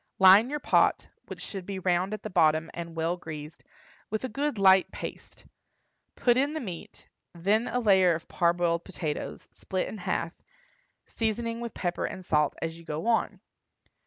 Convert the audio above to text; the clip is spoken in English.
Line your pot, which should be round at the bottom and well greased, with a good light paste; put in the meat, then a layer of parboiled potatoes, split in half, seasoning with pepper and salt as you go on.